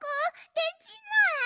でちない。